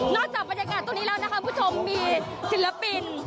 นอกจากบรรยากาศตรงนี้แล้วพี่ผู้ชมมีศิลปิน